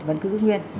vẫn cứ giữ nguyên